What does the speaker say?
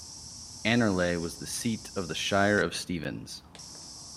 Annerley was the seat of the Shire of Stephens.